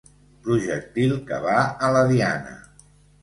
Projectil que va a la diana.